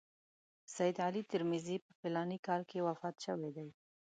سید علي ترمذي په فلاني کال کې وفات شوی دی.